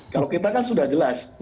kalau kita kan sudah jelas